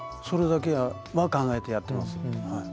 それだけは考えてやってます。